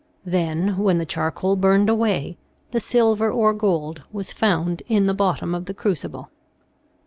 Then when the charcoal burned away, the silver or gold was found in the bottom of the crucible.